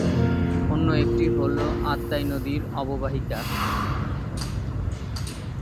অন্য একটি হলো আত্রাই নদীর অববাহিকা।